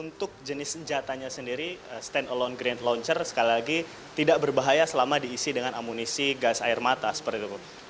untuk jenis senjatanya sendiri stand alone green launcher sekali lagi tidak berbahaya selama diisi dengan amunisi gas air mata seperti itu